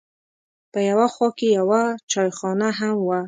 په یوه خوا کې یوه چایخانه هم وه.